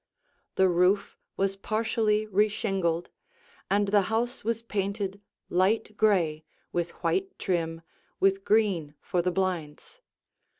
The roof was partially reshingled, and the house was painted light gray with white trim, with green for the blinds.